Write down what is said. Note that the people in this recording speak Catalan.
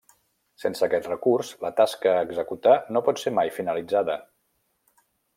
Sense aquest recurs, la tasca a executar no pot ser mai finalitzada.